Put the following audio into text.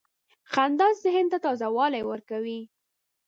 • خندا ذهن ته تازه والی ورکوي.